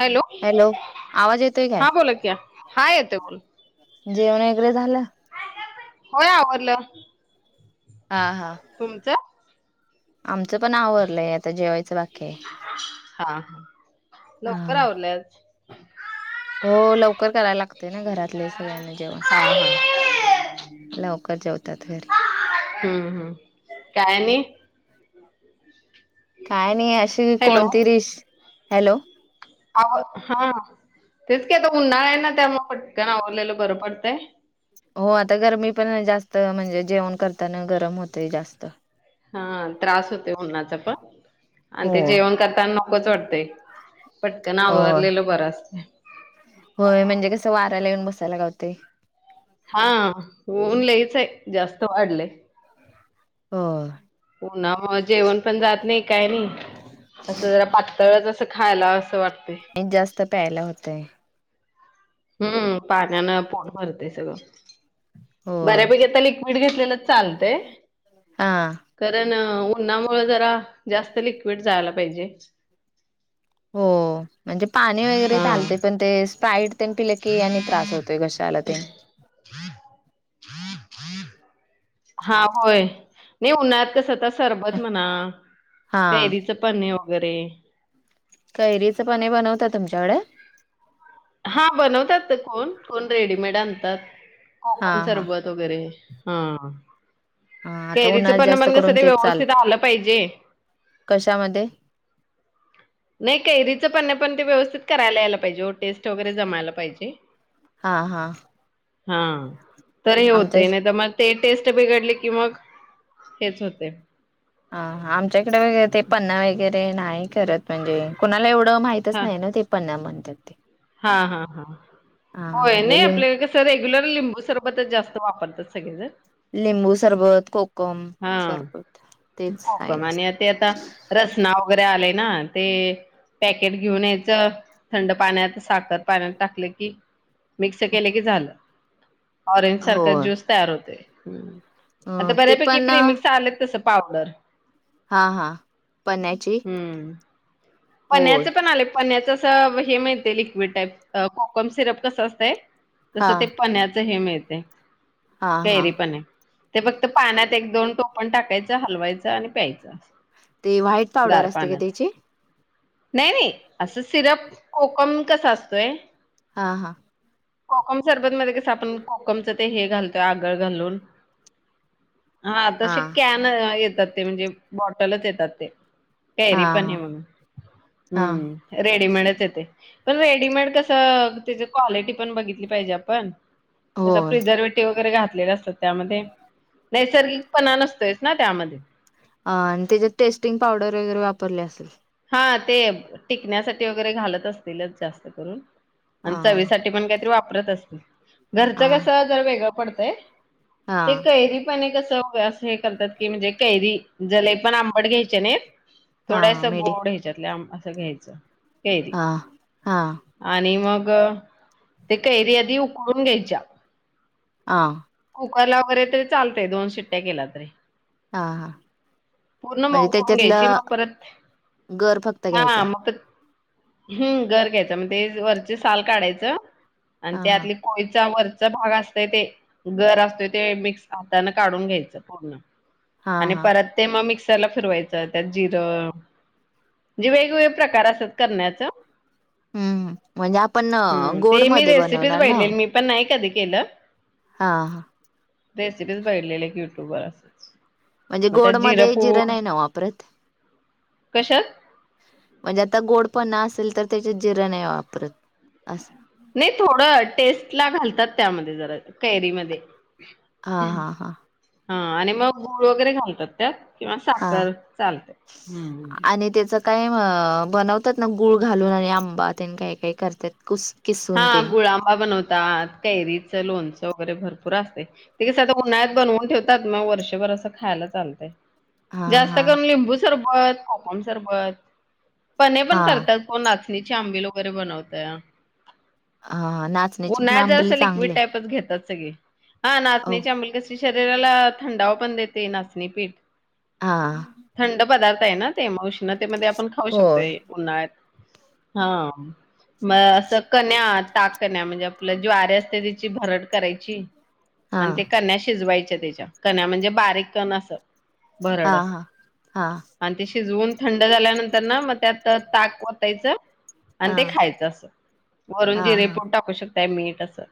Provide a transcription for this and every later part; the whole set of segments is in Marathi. हॅलो आवाज येतोय काय? हा बोला की हा येते बोल. जेवण वगैरे झालं? होय आवरलं. हा हां. तुमचं? आमचं पण आवरलंय आता जेवायचं बाकीय. हा लवकर हा आवरले आज. हो लवकर करायला लागते ना घरातले सगळ्यांना जेवण. हा हा लवकर जेवतात घरी. हम्म हम्म काय आणि? काय नाही अशी हॅलो कोणती डिश हॅलो? आव हा तेच की आता उन्हाळा आहे ना त्यामुळं पटकन आवरलेलं बरं पडतंय. हो आता गरमी पण जास्त म्हणजे जेवण करताना गरम होतेय जास्त. हा त्रास होते उन्हाचा पण आणि ते हो जेवण करताना नकोच वाटतेय पटकन होय आवरवरलेलं बरं असतंय. होय म्हणजे कसं वाऱ्याला येऊन बसायला घावते. हा ऊन लईचय जास्त वाढलेय. हो. उन्हामुळं जेवण पण जात नाही काय नाही असं जरा पा तळचं असं खायला असं वाटतंय. आणि जास्त प्यायला होतंय. हम्म पाण्यानं पोट भरते सगळं होय बऱ्यापैकी आता लिक्विड घेतलेलं चालतंय. हा कारण उन्हामुळं जरा जास्त लिक्विड जायला पाहिजे. हो म्हणजे पाणी वगैरे हा चालते पण ते स्प्राईट तेन पिले की आणि त्रास होतोय घशाला तेन. हा होय नाही उन्हात कसं [unintelligible] सरबत म्हणा हा कैरीचं पन्हे वगैरे. कैरीचं पन्हे बनवतात तुमच्याकडे? हा बनवतात कोण, कोण रेडीमेड आणतात, हा कोकम हा सरबत वगैरे. हा हा आता कैरीचं उन्हाळ्यात पन्हं जास्त म्हणजे असं करून ते तेच व्यवस्थित चालतं. आलं पाहिजे. कशामध्ये? नाही कैरीचं पन्हे पण ते व्यवस्थित करायला यायला पाहिजे टेस्ट वगैरे जमायला पाहिजे. हा हा. हा तर हे आमच्या होतय नाही तर मग ते टेस्ट बिघडली की मग हेच होते. ह आमच्याइकडे वगैरे ते पन्हा वगैरे नाही करत म्हणजे कुणाला एवढं माहित पितच हा नाही ना ते पण म्हणत्यात ते हा हा हा हा होय म्हणजे नाही लिं आपले तर रेग्युलर लिंबू सरबतच जास्त वापरतात सगळे जण लिंबू सरबत, कोकम सरबत तेच हाय कोकम आणि ते आता नुसत रसना वगैरे आले ना ते पॅकेट घेऊन यायचं थंड पाण्यात साखर पाण्यात टाकलं की मिक्स केले झालं ऑरेंज सारखं होय. ज्यूस तयार होते, अ आता ते बऱ्यापैकी पण प्रिमिक्स आलेत तस पावडर हा हा पन्हयाची पन्याचं पण आले, पन्याचं असं हे मिळते लिक्विड टाईप कोकम सिरप कसं असतंय तसं हा ते पन्याच हे मिळते हा हा कैरीपन्हे ते फक्त पाण्यात एक दोन टोपण टाकायचं, हलवायचं आणि प्यायचं ते व्हाईट पावडर गार असते का पाण्यात त्याची नाही नाही असं सिरप कोकम कस असतोय. हां हां. कोकम सरबत मध्ये कसं आपण कोकमच ते हे घालतोय आगळ घालून हा तशे कॅन येतात ते म्हणजे बॉटलच येतात ते हा कैरी पन्हे म्हणून, हा हम्म. रेडिमेडच येते, पण रेडीमेड कसं त्याची क्वालिटी पण बघितली पाहिजे आपण- त्याचा होय फ्रीदर वेट वगैरे घातलेले असतात त्यामध्ये नैसर्गिकपणा नसतोयच ना त्यामध्ये आ आणि त्याच्यात टेस्टिंग पावडर वगैरे वापरले असेल. हा ते टिकण्यासाठी वगैरे घालत असतीलच जास्त करून हा आणि चवीसाठी ते पण काय तरी वापरत असतील घरच हा कस जरा वेगळं पडतंय हा ते कैरी पन्हे कस असं हे करतात की म्हणजे कैरी लय पण आंबट घ्यायचे नाही. हा मिडी यम घ्यायच्यात लांब असं घ्यायचं. कैरी हा हा. आणि मग ते कैरी आधी उकळून घ्यायच्या. हा. कुकरला वगैरे तरी चालतय दोन शिट्ट्या केल्या तरी हा हा पूर्ण म्हणजे मऊ करून घ्यायची त्याच्यातलं मग परत गर फक्त घ्यायचा हा मग हम्म गर घ्यायचा मग ते वरचे साल काढायचं. आणि हा हा त्यातली कोयचा वरचा भाग असतय ते गर असतो ते मिक्स हातानें काढून घ्यायचं. पूर्ण हा आणि हा परत ते मग मिक्सरला फिरवायचं त्यात जिर म्हणजे वेगवेगळे प्रकार असतात करण्याचं हम्म म्हणजे आपण हम्म, गोड ते मी मध्ये रेसिपीच बनवणार ना बघितलेली मी पण नाही कधी केलं. हा. रेसिपीच बघितलेली यु ट्यूब वर म्हणजे मग त्यात गोड जिरं मध्ये जिर पूड नाही ना वापरत. कशात म्हणजे आता गोड पणा असेल, तर त्याच्यात जिरं नाही वापरत असं. नाही थोडं टेस्ट ला घालतात त्यामध्ये जरा, कैरीमध्ये. [inaudible] हा हा हा हा आणि मग गूळ वगैरे घालतात त्यात. किंवा हा साखर चालते. हम्म आणि त्याच काय बनवतात ना, गुळ घालून आणि आंबा ते काही काही करतात. कुस हा किसून तेन गुळा आंबा बनवतात. कैरीचं लोणचं वगैरे भरपूर असते. ते कस आता उन्हाळात बनवून ठेवतात, मग वर्षभर असं खायला चालतंय. हा जास्त हा करून लिंबू सरबत, कोकम सरबत पण हा करतात. हो नाचणीची आंबिल वगैरे बनवतात. हा ना उन्हाळ्यात जरासं लिक्विड टाईपच घेतात सगळी. हा ओ नाचण्याची आंबिल कशी ते शरीराला थंडावा पण देते नाचणीपीठ. हां. थंड पदार्थ आहे ना ते. मग उष्णतेमध्ये आपण खाऊ होय शकतोय. उन्हाळ्यात. [inaudible] हा म असं कन्या, ताककन्या म्हणजे आपल्या ज्वारी असते तीची भरट करायची. हा आणि ते कन्या शिजवायच तेच्यात. कन्या म्हणजे बारीक कण अस हा भरड असं हा हा आणि ते शिजवून थंड झाल्यानंतर ना, मग त्यात ताक वतायचं आणि हा ते खायचं असं. वरून हा जीरे हा पूड टाकू शकताय मीठ असं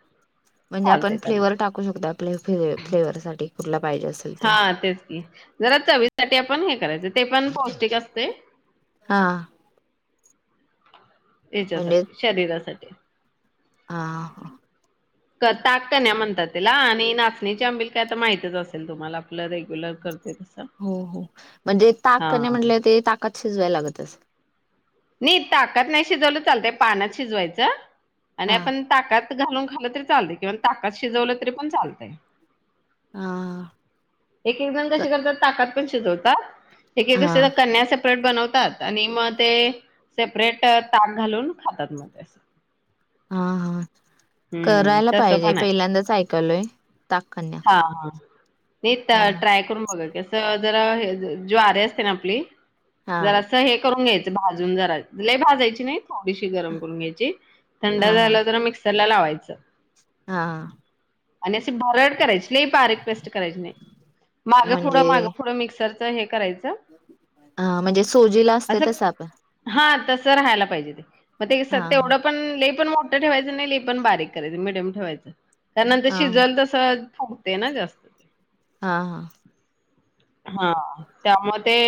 म्हणजे आपण चालतंय फ्लेवर त्यामध्ये. टाकू शकतो. आपलं फे फ्लेवर साठी कुठला पाहिजे असं. हा तेच की. जरा चवीसाठी आपण हे करायचं, ते पण पौष्टिक असते. हा. याच्यासाठी, शरीरासाठी. हां ताक कण्या म्हणतात तेला. आणि नाचणीची आंबिल काय तर माहतीच असेल तुम्हाला, आपलं रेग्युलर करतो तसं. हो हो. म्हणजे ताक हा कण्या म्हणले ते ताकात शिजवायला लागत असलं. नाही ताकात नाही शिजवलं चालतंय. पान्यात शिजवायचं. आणि हा आपण ताकात घालून खालं तरी चालतय. किंवा ताकात शिजवलं तरी पण चालतय. हा [inaudible] एक एक जण कसे करतात, ताकात पण शिजवतात. एकडे हा कसं कण्या सेपरेट बनवतात, आणि मग ते सेपरेट ताक घालून खातात मग असं. हा हा हम्म करायला तसं पाहिजे. पण आहे पहिल्यांदाच ऐकालोय, ताककण्या. हां हां. नाही ट्राय करून बघा कि, कसं जरा हे ज्वारी असते ना आपली. हा जरा अस हे करून घ्यायचं भाजून जरा. लय भाजायची नाही थोडीशी गरम करून घ्यायची. थंड हा हा झालं तर मिक्सर ला लावायचं. हा. आणि असे भरड करायची, लय बारीक पेस्ट करायची नाही. मागं पुुढं म्हणजे मागं पुुढं मिक्सरचं हे करायचं हा म्हणजे सोजीला असते असं तस आपण हा तसं राहायला पाहिजे ते. मग ते हा तेवढं पण लय पण मोठं ठेवायचं नाही, लय पण पण बारीक करायचं, मिडयम ठेवायच. त्यानंतर हा शिजल तस फुगते ना जास्त हां हां. हा. त्यामध्ये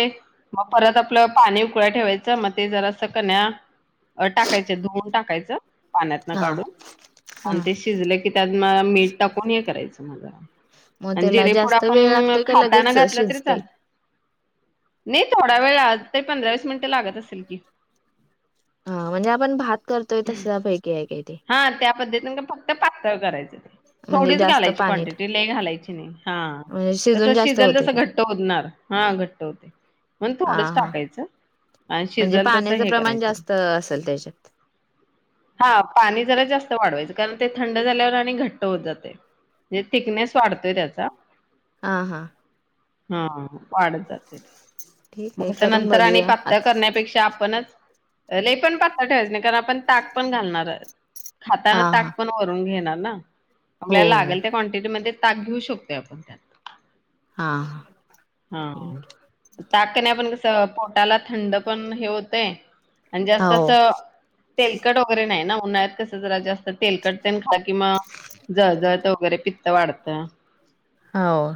मग परत आपलं पाणी उकळाय ठेवायचं मग ते जरासं कण्या टाकायचं धुवून टाकायचं पाण्यातन हा काढून हा आणि ते शिजले की त्यात म मीठ टाकून हे करायचं मग जरा मग आणि त्याला जिरेपुड जास्त वेळ आपण लागतोय का खाताना लगेच घातलं तरी शिजतय चालेल नाही थोडा वेळ ते पंधरा वीस मिनिटं लागत असतील की हा म्हणजे आपण भात करतोय तश्यापैकी आहे काय ते हा त्या पद्धतीन का फक्त पातळ करायचं ते म्हणजे थोडीच जास्त घालायची पाणी क्वांटिटी लई घालायची नाही हा म्हणजे कसं शिजून जास्त शिजल होते तसं काय घट्ट होत जाणार हा घट्ट होतय म्हणून हा थोडच हा टाकायचं आणि म्हणजे शिजल तस पाण्याचं हे प्रमाण करायचं जास्त असेल त्याच्यात हा पाणी जरा जास्त वाढवायचं कारण ते थंड झाल्यावर आणि घट्ट होत जातय म्हणजे थिकनेस वाढतोय त्याचा हा हा हा वाढत जातय ते ठीक आहे मगं करून नंतर आणि बघूया आ पातळ करण्यापेक्षा आपणच लई पण पातळ ठेवायचं नाही कारण आपण ताक पण घालणार त्यात हा खाताना हा ताक पण वरून घेणार ना हो आपल्याला हो लागल त्या क्वांटिटीमध्ये ताक घेऊ शकतोय आपण त्यात हा हा ताक कण्या पण कसं पोटाला थंड पण हे होतंय आणि हा जास्त अस हो तेलकट वगैरे नाही ना उन्हाळत कसं जरा जास्त तेलकट तेन खाल्ल कि मग जळजळत वगैरे पित्त वाढत हाव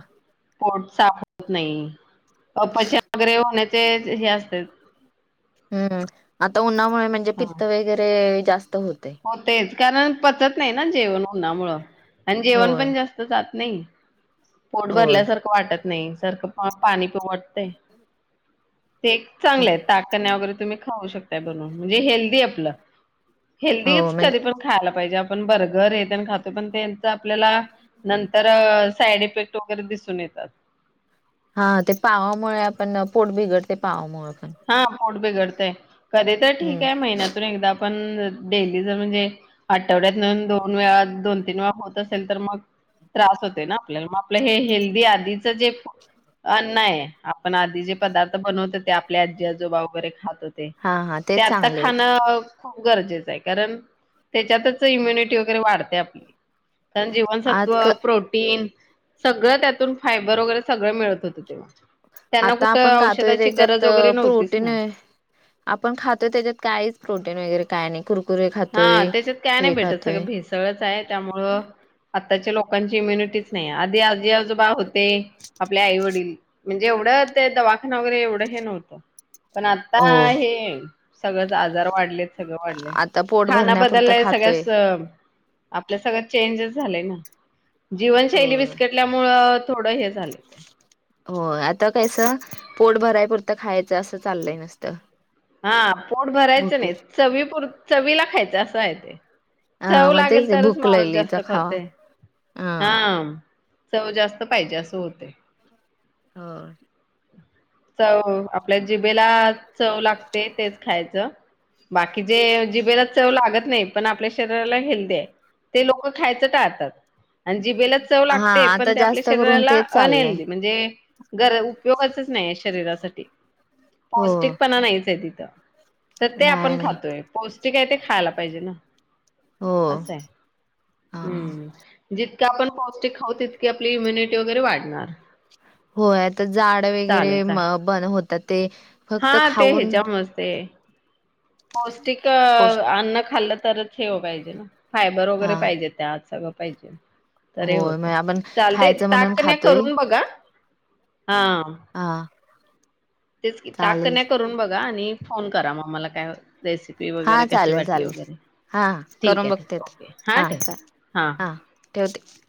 पोट साफ होत नाही अपचन वगैरे होण्याचे हे असतय हम्म आता उन्हामुळे म्हणजे पित्त वगैरे जास्त होतय हो तेच कारण पचत नाही ना जेवण उन्हामुळं आणि जेवण होय. पण जास्त जात नाही पोट होय भरल्यासारखं वाटत नाही सारखं पाणी पिऊ वाटतय ते एक चांगल हाय ताककण्या वगैरे तुम्ही खाऊ शकता बनवून म्हणजे हेल्दी आपलं हेल्दीच हो म्हणजे कधी पण खायला पाहिजे आपण बर्गर हे तेन खातोय पण त्यांच आपल्याला नंतर साईड इफेक्ट वगैरे दिसून येतात हा ते पावामुळे आपण पोट बिघडते पावामुळे पण हा पोट बिघडतय कधी तर ठीक हम्म आहे महिन्यातून एकदा आपण डेली जर म्हणजे आठवड्यातून दोन वेळा दोन तीन वेळा होत असेल तर मग त्रास होते ना आपल्याला मग आपलं हे हेल्दी आधीच जे अन्न आहे आपण आधी जे पदार्थ बनवतो ते आप आपले आजी आजोबा वगैरे खात होते हा हा ते तेच आता चांगले होते खाणं खूप गरजेचं आहे कारण त्याच्यातच इम्युनिटी वगैरे वाढते आपली कारण आज जीवनसत्व, क- प्रोटीन सगळं त्यातून फायबर वगैरे सगळं मिळत होत तेव्हा त्यांना आता कुठं आपण खातोय औषधाची त्याच्यात गरज वगैरे नव्हतीच प्रोटीन ना. आपण खातो त्याच्यात काहीच प्रोटीन वगैरे काय नाही कूर हा त्याच्यात काय नाही भेटत सगळ भेसळ ळच हाय त्यामुळ आताच्या लोकांची इम्युनिटीच नाही आधी आजी आजोबा बा होते आपल आई वडील म्हणजे एवढं ते दवाखाना वगैरे एवढं हे नव्हतं पण आता हो हे सगळंच आजार वाढलेत सगळं वाढल य आता पोट खाना भरण्यापुरतं बदललाय खातोय सगळ्यास आपल सगळं चेंज झालेय ना अ जीवनशैली विस्कटल्यामुळं थोडं हे झालंय हो आता कस पोट भराय पुरत खाय असं चालय नुसत. हा पोट भरायचं नाही चवी पूर चवीला खायचं असं आहे ते. अ चव मग तेच लागेल ते तरच भूक माणूस जास्त लागलीचा खावा खातोय हां. हा. चव जास्त पायजे अस होतय. होय. चव आपल्या जिबेला चव लागते तेच खायचं. बाकीचेे जिबेला चव लागत नाही. पण आपल्या शरीराला हेल्दी आहे ते लोक खायचं टाळतात. आणि जिबेला चव हा लागते पण आता ते आपल्या जास्त करून शरीराला तेच चाललंय. अनहेल्दी म्हणजे. गर उपयोगाचच नाही आहे शरीरासाठी हो पौष्टिकपणा नाहीच तिथं. तर ते नाही आपण नाही खातोय पौष्टिक आहे ते खायला पाहिजे ना. हो अस आहे, हां. हम्म. जितकं आपण पौष्टिक खाऊ तितकी आपली इम्युनिटी वगैरे वाढणार. होय आता जाड वगैरे चालेल चालेल बन होतात ते. हा फक्त ते खाऊन हेच्यामुळेच ते. पौष्टिक पोष अन्न खाल्लं तरच हेव पाहिजे ना फायबर वगैरे हा पाहिजेत. त्या आत सगळं पाहिजे. तरी होय होत मग आपण चालते खायचं ताक, म्हणून कण्या खातोय करून बघा हा. हां. तेच की ताक कण्या करून बघा आणि फोन करा मग मला काय होतय. रेसिपी हा वगैरे कशी चालेल वाटली चालेल वगैरे हा ठिक करून आहे, बघते. आके हा. ठेवा. हा. ठेवते.